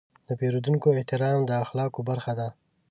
د پیرودونکو احترام د اخلاقو برخه ده.